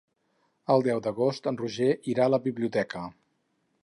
El deu d'agost en Roger irà a la biblioteca.